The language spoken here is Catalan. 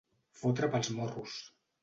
Fotre pels morros.